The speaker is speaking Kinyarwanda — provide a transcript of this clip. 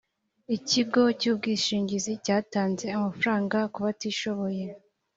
ikigo cy’ ubwishingizi cyatanze amafaranga kubatishoboye